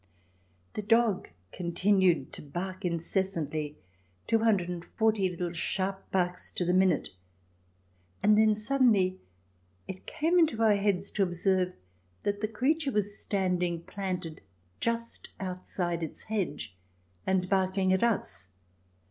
The dog continued to bark incessantly, two hundred and forty little sharp barks to the minute, and then suddenly it came into our heads to observe that the creature was standing planted just outside its hedge and barking at us.